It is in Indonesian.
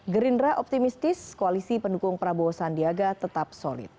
gerindra optimistis koalisi pendukung prabowo sandiaga tetap solid